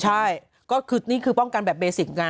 ใช่ก็คือนี่คือป้องกันแบบเบสิกไง